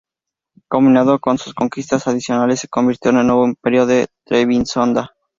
Combinado con sus conquistas adicionales se convirtió en el nuevo Imperio de Trebisonda.